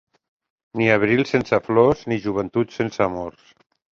Ni abril sense flors, ni joventut sense amors.